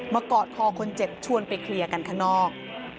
กอดคอคนเจ็บชวนไปเคลียร์กันข้างนอก